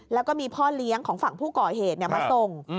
แล้วก็มีพ่อเลี้ยงของฝั่งผู้ก่อเหตุมาส่ง